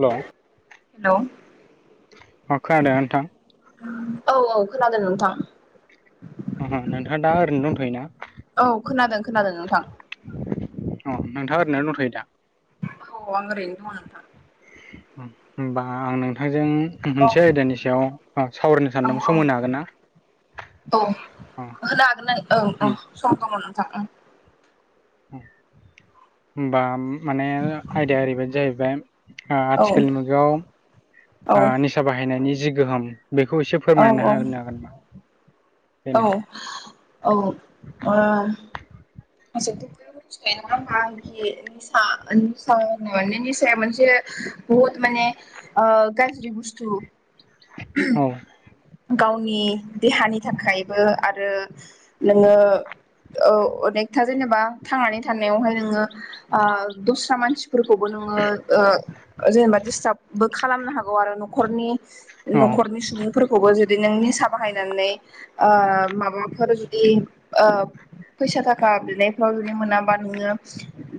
हेल' अ हेल' औ खोनादोंना नोंथां? औ औ खोनादों नोंथां। नोंथाङा दा ओरैनो दथ'योना? औ खोनादों खोनादों नोंथां। नोंथाङ ओरैनो दंथ'यो दा? अ आं ओरैनो दङ नोंथां। होमबा आं नोंथांजों औ मोनसे आयदानि सायाव सावरायनो सानदोंमोन सम औ होनो हागोन ना? औ अ उम होनो हागोन औ औ उम सम दङ नोंथां ओं। होनबा माने आयदाया ओरैबायदि जाहैबाय ओं। आथिखालनि औ मुगायाव निसा बाहायनायनि जि गोहोम बेखौ एसे औ फोरमायना होनो हागोन नामा? बेनो औ औ ओ जोंथ बेखौ मिथिखायो नङा होमबा आनखि निसा होन माने निसाया मोनसे बहुत माने ओ गाज्रि बस्थु औ गावनि देहानि थाखायबो आरो नोङो अनेक दा जेनेबा थांनानै थानायावहाय नोङो दस्रा मानसि फोरखौबो नोङो जेनेबा दिस्टार्बबो खालामनो हागौ आरो न'खरनि औ न'खरनि सुबुंफोरखौबो जुदि नों निसा बाहायनानै माबा फोर जुदि फैसा थाखा बिनायफ्राव जुदि मोनाबा नोङो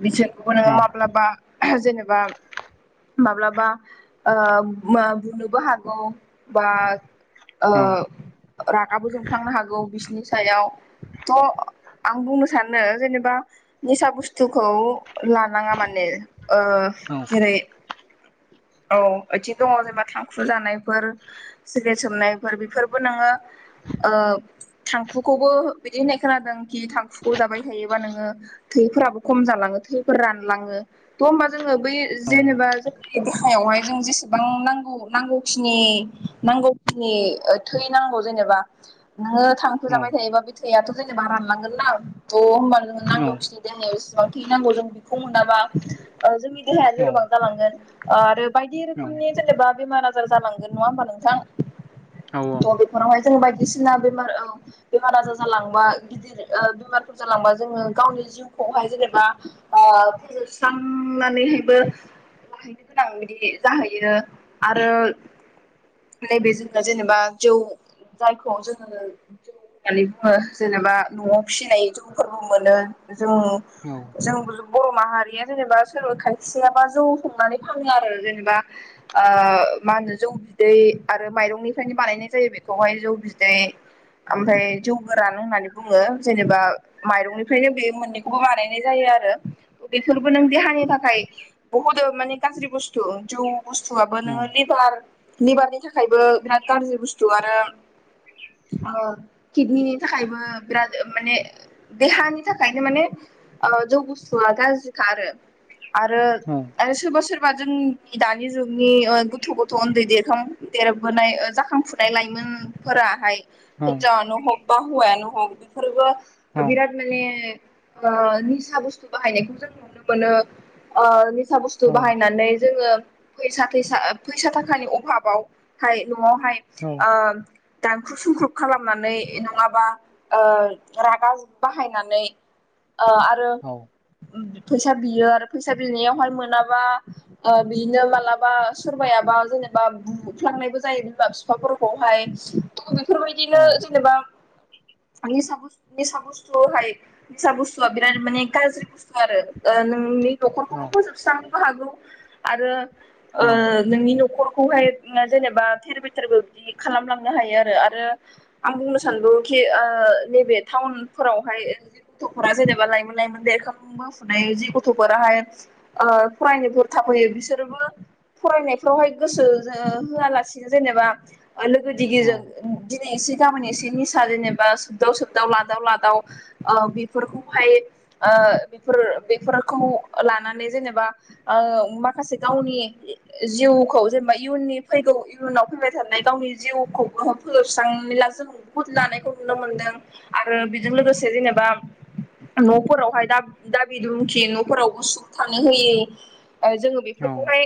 बिसोर खौबो औ नोङो माब्लाबा जेनेबा माब्लाबा बुनोबो हागौ बा औ रागाबो जोंफ्लांनो हागौ बिसनि सायाव थ' आं बुंनो सानो जेनेबा निसा बुस्थुखौ लानाङा माने ओ औ जेरै औ ओइथिं दङ जेनेबा थांखु जानायफोर सिग्रेद सोबनायफोर बेफोरबो नोङो ओ थांखुखौबो बिदि होननाय खोनादों। खि थांखुखौ जाबाय थायोबा नोङो थैफोराबो खम जालाङो थैफोर रानलाङो थ' होनबा जों ङो बै जेनेबा जोंनि देहायावहाय जोंनो जेसेबां नांगौ नांगौखिनि ओ थै नांगौ जेने एबा नोङो थांखु औ जाबाय थायोबा बे थैआथ' जेनेबा रानलांगोन ना थ' होनोमबा नो नांगौखिनि देहायाव एसे बां थैनांगौ जों बेखौ मोनाबा जोंनि देहाया औ लोरबां जालांगोन ओ आरो बायदि रोखोमनि जेनेबा बेमार आजार जालांगोन नङा होमबा नोंथां थ' बेफोरावहाय जों बायदिसिना बेमार बेमार आजार जालांबा गिदिर बेमारफोर जालांबा जोङो गावनि जिउखौहाय जेनेबा ओ फोजोबस्रांनानैहायबो गोनां बिदि जाहैयो आरो नैबे जों दा जेनेबा जौ जायखौ जोङो जौ होननानै बुङो जेनेबा नआव फिसिनाय जौफोरबो मोनो जों जों बर' माहारिया जेनेबा सोरबा खायसेयाबा जौ संनानै फानो आरो जेनेबा ओ मा होनो जौ बिदै आरो माइरंनिफ्रायनो बानायनाय जायो बे खौहाय जौ बिदै आमफाय जौ गोरान होननानै बुङो जेनेबा माइरंनिफ्रायनो बे मोननैखौबो बानायनाय जायो। आरो बेफोरबो नों देहानि थाखाय बहुद माने गाज्रि बुस्थु जौ बुस्थुआबो नोङो लिबार लिबारनि थाखायबो बिराद गाज्रि बुस्थु आरो किडनिनि थाखायबो बिराद माने देहानि थाखायनो माने ओ जौ बुस्थुआ गाज्रिखा आरो आरो आरो सोरबा सोरबा जों दानि जुगनि गथ' गथ' उन्दै देरखां देरबोनाय ओ जाखांफुनाय लाइमोन। उम फोराहाय हिनजावानो हग बा हौवायानो हग बेफोरबो बिराद माने निसा बुस्थु बाहायनायखौ जों नुनो मोनो ओ निसा बुस्थु बाहाय जोङो फैसा थैसा फैसा थाखानि अभाबावहाय न'आवहाय औ दान ख्रुब सुख्रुब खालामनानै नङाबा रागा बाहायनानै ओ आरो औ औ फैसा बियो आरो फैसा बिनायावहाय मोनाबा बिनो मालाबा सोरबायायााबा जेनेबा बुफ्लांनायबो जायो बिमा बिफाफोरखौहाय थ बेफोरबायदिनो औ जेनेबा [inaudible] निसा बुस्थु निसा बुस्थुहाय निसा बुस्थुआ बिराद माने गाज्रि बुस्थु आरो ओ नोंनि औ न'खरखौबो फोजोबस्रांनोबो हागौ आरो ओ औ नोंनि न'खर खौहाय जेनेबा थेर बेथेरबो बिदि खालामलांनो हायो आरो आरो आं बुंनो सानदों खि ओ नैबे टाउन फोरावहाय गथ'फोरा जेनेबा लाइमोन लाइमोन देरखां बोफुनाय जि गथ'फोराहाय फरायनोफोर थाफैयो बिसोरबो फरायनायफ्रावहाय गोसो होआलासिनो जेनेबा लोगो दिगिजों दिनै एसे गाबोन एसे निसा थारैनो जेनेबा सोबदाव सोबदाव लादाव लादाव ओ बेफोरखौहाय ओ बेफोर बेफोरखौ लानानै जेनेबा ओ माखासे गावनि जिउखौ जेनेबा इयुननि फैगौ इयुनाव फैबाय थानाय गावनि जिउखौ फोजोबस्रांनोब्ला जों बुहुद लानायखौ नुनो मोनदों। आरो बेजों लोगोसे जेनेबा न'फोराव ओमफाय दा दाबि दुमखि न'फोरावबो सुख थानो होयि ओ जोङो औ बेफोरखौहाय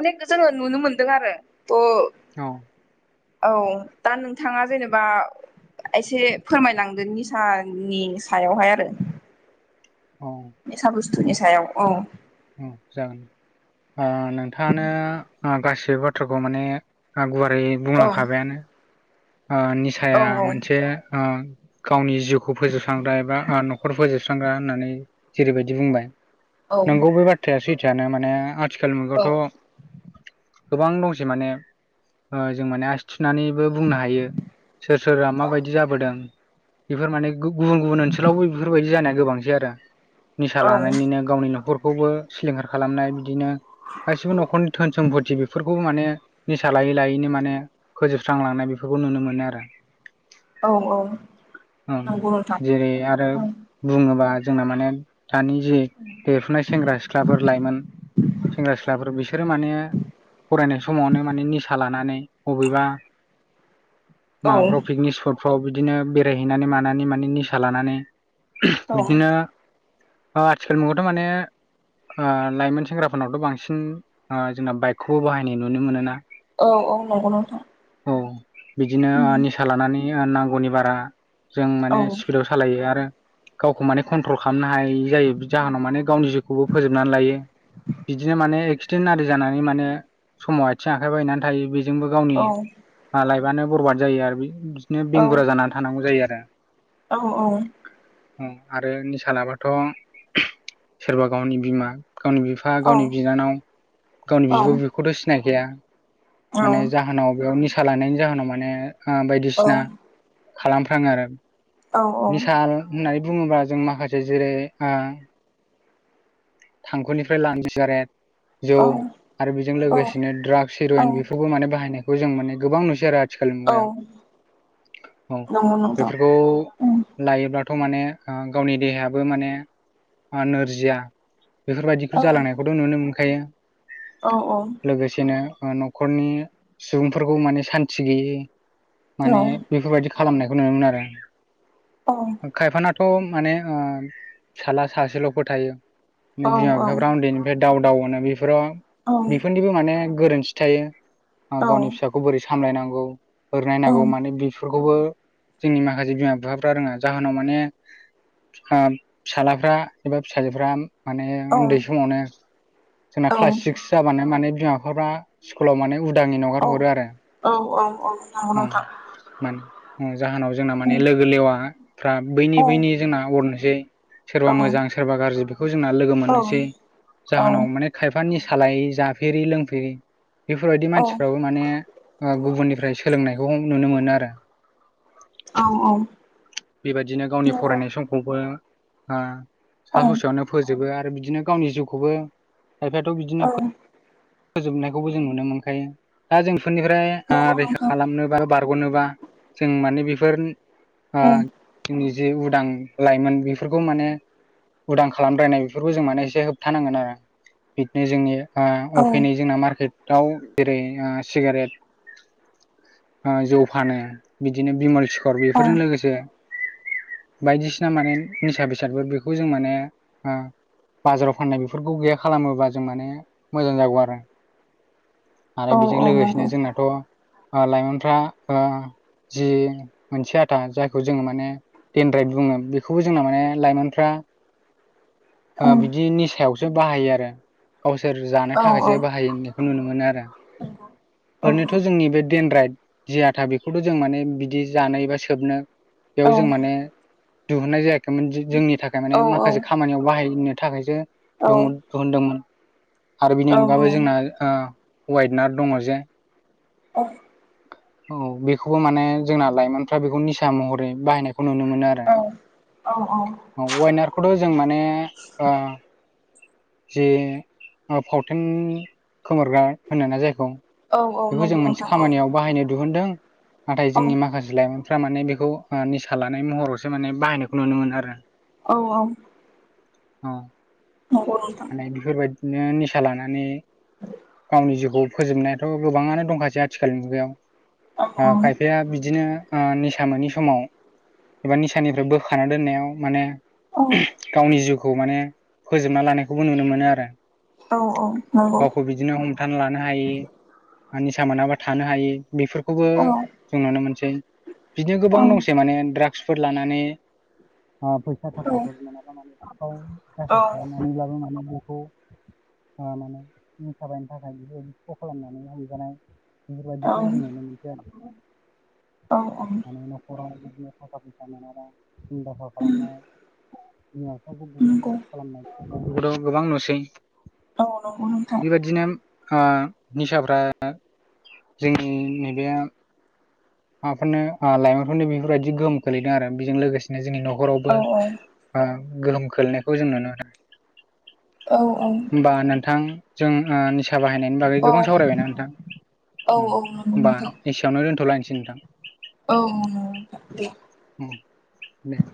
अनेक जोङो नुनो मोनदों आरो। थ' औ औ दा नोंथाङा जेनेबा एसे फोरमायलांदो निसानि सायावहाय आरो। औ निसा बुस्थुनि सायाव औ औ जागोन। ओ नोंथाङानो ओ गासिबो बाथ्राखौ माने ओ गुवार यै औ बुंलांखाबायानो ओ औ निसाया मोनसे ओ गावनि जिउखौ फोजोबस्रांग्रा एबा ओ न'खर फोजोबस्रांग्रा होननानै जेरैबायदि बुंबाय औ नोंगौ बे बाथ्राया सैथआनो माने आथिखाल औ मुगायावथ' गोबां दंसै माने जों माने आसि थुनानै बुंनो हायो सोर सोरा माबायदि जाबोदों। बेफोर माने गुबुन गुबुन ओनसोलावबो बेफोरबायदि जानाया गोबांसै आरो निसा औ लानानैनिनो गावनि न'खरखौबो सिलिंखार खालामनाय बिदिनो, गासिबो न'खरनि धोन सम्फति बेफोरखौ खौबो माने निसा लायै लायैनो माने फोजोबस्रांलांनाय बेफोरखौ नुनो मोनो आरो। औ औ ओं नंगौ नोंथां जेरै आरो औ बुङोबा जोंना माने दानि जे देरफुनाय सेंग्रा-सिख्लाफोर लाइमोन सेंग्रा-सिख्लाफोर बिसोरो माने फरायनाय समावनो माने निसा लानानै बबेबा औ माबाफ्राव पिकनिक स्पटफ्राव बिदिनो बेरायहैनानै मानानै माने निसा लानानै औ बिदिनो आथिखाल मुगायावथ' माने ओ लाइमोन सेंग्राफोरनावथ' बांसिन ओ जोंना बाइकखौबो बाहायनाय नुनो मोनोना औ औ नंगौ नोंथां। औ बिदिनो ओ निसा लानानै ओ नांगौनि बारा जों औ माने स्पिडआव सालायो आरो गावखौ माने कन्ट्रल खामनो हायि जायो औ जाहोनाव माने औ गावनि जिउखौबो फोजोबनानै लायो बिदिनो माने एक्सिडेन्ट आरि जानानै माने समाव आथिं आखाइ बायनानै थायो बेजोंबो गावनि औ लाइबानो बरबाद जायो आरो बिदिनो बेंगुरा जानानै थानांगौ जायो आरो औ औ औ आरो निसा लाबाथ' सोरबा गावनि बिमा गावनि बिफा गावनि बिनानाव गावनि बिब' बिखौथ' सिनायखाया माने जाहोनाव बेयाव निसा लानायनि जाहोनाव माने ओ बायदिसिना खालामफ्राङो आरो निसा होननाय बुङोब्ला जों माखासे जेरै थांखुनिफ्राय [unintelligible] जौ आरो बिजों लोगोसेनो द्राग्स हिर'येन बेफोरबो माने बाहायनायखौ जों माने गोबां नुसै आरो आथि थिखाल औ मुगायाव औ नंगौ नोंथां बेफोरखौ लायोब्ला थ' माने ओ गावनि देहायाबो माने ओ नोरजिया औ बेफोरबायदिखौ जालांनायखौथ' नुनो मोनखायो लोगोसेनो ओ न'खरनि सुबुंफोरखौ माने सान्थि गैयै औ माने बेफोरबायदि खालामनाय नुनो मोनो आरो औ औ खायफाना थ' माने ओ फिसाला सासेल'फोर थायो औ बिमा-बिफाफ्रा उन्दैनिफ्राय दाव दाव अनो बेफोराव बेफोरनिबो माने गोरोन्थि थायो ओ गावनि फिसाखौ बोरै सा सामलायनांगौ बोरै नायनांगौ माने बिफोरखौबो। जोंनि माखासे बिमा बिफाफ्रा रोङा जाहोनाव माने। ओ फिसालाफ्रा एबा फिसाजोफ्रा माने उन्दै समावनो जोंना औ क्लास सिक्स जाबानो माने। बिमा बिफाफ्रा स्कुलाव माने उदांङैनो हगार हरो आरो। औ नंगौ नोथां। मान जाहोनाव जोंना माने लोगो लेवा फ्रा बैनि बैनि जोंना अरनोसै। सोरबा मोजां सोरबा गाज्रि बेखौ जोंना लोगो मोननोसै जाहोनाव माने खायफा। निसा लायि जाफेरि लोंफेरि। बेफोरबायदि औ मानसिफ्राबो माने ओ गुबुननिफ्राय सोलोंनायखौ नुनो मोनो आरो। औ बेबायदिनो गावनि फरायनाय समखौबो ओ सा ससेयावनो फोजोबो आरो बिदि। बिदिनो गावनि जिउखौबो खायफायाथ' बिदिनो फो। फोजोबनायखौबो जों नुनो मोनखायो दा जों। बे फोरनिफ्राय औ नंगौ रैखा नोंथां खालामनोबा बारग'नोबा जों माने बेफोर ओ जोंनि जे उदां लाइमोन बेफोरखौ माने। उदां खालामद्रायनाय बेफोरखौ जों माने एसे होबथानांगोन आरो बिदिनो जोंनि ओ। फैनाय जोंना मार्केटाव जेरै ओ सिगारेट। ओ जौ फानो बिदिनो बिमल सिखर बिफोरजों लोगोसे। बायदिसिना माने निसा बेसादफोर बेखौ जों माने ओ। बाजाराव फाननाय बेफोरखौ गैया खालामोबा जों माने मोजां जागौ आरो। आरो बेजों लोगोसेनो औ जोंनाथ' ओ लाइमोनफ्रा ओ। जि मोनसे आथा जायखौ जोङो माने देनद्राइट बुङो बेखौबो जोंना माने लाइमोनफ्रा। ओ औ बिदि निसायावसो बाहायो आरो। गावसोर जानो थाखायसो औ बाहायनायखौ नुनो मोनो आरो औ ओरैनोथ' औ जोंनि बे। देन राइड जि आथा बेखौथ' जों माने बिदि जानोबा सोबनो बेयाव जों नंगौ माने। दिहुननाय जायाखैमोन जोंनि थाखाय माने औ माखासे खामानियाव बाहायनो थाखायसो। औ दुहोनदोंमोन। आरो बिनि नंगौ अनगायै जोंना नोंथां औ ओ वाइडनार दङ जे। अह। औ बेखौबो माने जोंना लाइमोनफ्रा बेखौ निसा महरै बाहायनायखौ नुनो मोनो आरो। औ औ। खौथ' जों माने ओ। जे फावथेन खोमोरग्रा होनो ना जायखौ। औ बेखौ जों नंगौ मोनसे नोंथां औ खामानियाव बाहायनो दिहुनदों नाथाय जोंनि माखासे लाइमोन। फोरा माने बेखौ ओ निसा लानाय महरावसो माने बाहायनायखौ नुनो मोनो आरो। औ औ। औ। नंगौ नोंथां। बिदिनो निसा लानानै। गावनि जिउखौ फोजोबनायाथ' गोबाङानो दंखासै आथिखालनि मुगायाव। औ ओ खायफाया बिदिनो ओ निसा मोनि समाव। एबा निसानिफ्राय बोखा दोननायाव माने औ गावनि जिउखौ माने फोज फोजोबना लानायखौबो नुनो मोनो आरो औ औ नंगौ गावखौ बिदिनो हमथा लानो हायि। बा निसा मोनाबा थानो हायो बेफोरखौबो औ जों नुनो मोनसै। बिदिनो औ गोबां दंसै माने द्राग्सफोर लानानै। ओ फैसा थाखाफोर मोनाबा नखरफोराव। औ। [unintelligible] नखरखौ। ओ माने निखा बायनो थाखाय बेफोरबायदि फ' खालामनानै हमजानाय। औ बेफोरबायदिखौबो जों नुनो मोनसै आरो। औ [unintelligible] दाखाल खालामनाय नंगौ [unintelligible] गोबां नुसै औ नंगौ नोंथां बेबायदिनो ओ निसाफ्रा जोंनि नैबे माबाफोरनो लाइमोनफोरनो बेफोरबायदि गोहोम खोलैदों आरो बेजों लोगोसेनो जोंनि औ न'खरावबो ओ गोहोम खोलैनायखौ जों नुनो मोनो औ होमबा नोंथां जों ओ निसा फसा बाहायनायनि बागै औ गोबां सावरायबायना नोंथां औ औ नंगौ नोंथां औ होनोमबा एसेयावनो दोन्थ'लायनोसै नोंथां। औ दे औ दे।